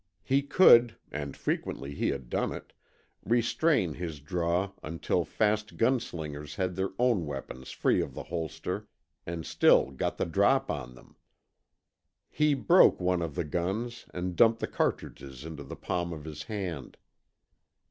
He could and frequently he had done it restrain his draw until fast gun slingers had their own weapons free of the holster, and still get the drop on them. He "broke" one of the guns and dumped the cartridges into the palm of his hand.